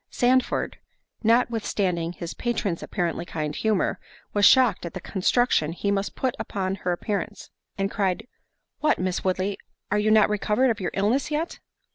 Sandford, notwithstanding his patron's apparently kind humour, was shocked at the construction he must put upon her appearance, and cried, "What, Miss Woodley, are you not recovered of your illness yet?"